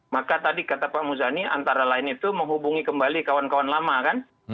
maka tadi kata pak muzani antara lain itu menghubungi kembali kawan kawan lama kan